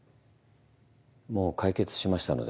もう解決しましたので。